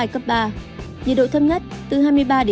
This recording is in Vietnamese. nhiệt độ thấp nhất từ hai mươi ba hai mươi sáu độ